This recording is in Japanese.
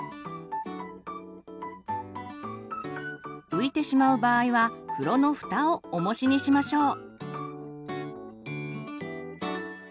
浮いてしまう場合は風呂のふたをおもしにしましょう。